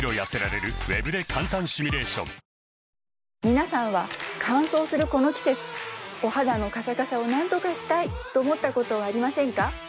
皆さんは乾燥するこの季節お肌のカサカサをなんとかしたい！と思ったことはありませんか？